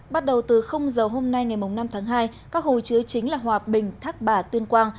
bắt đầu từ giờ hôm nay ngày năm tháng hai các hồ chứa chính là hòa bình thác bà tuyên quang